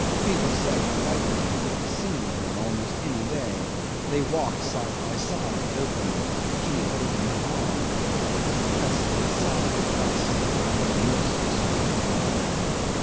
People said the white man could be seen with her almost any day; they walked side by side, openly, he holding her arm under his pressed to his side thus in a most extraordinary way.